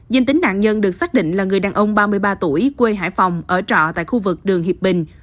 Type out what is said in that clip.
dân tính nạn nhân được xác định là người đàn ông ba mươi ba tuổi quê hải phòng ở trọ tại khu vực đường hiệp bình